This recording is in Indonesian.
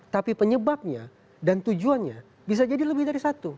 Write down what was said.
tapi penyebabnya dan tujuannya bisa jadi lebih dari satu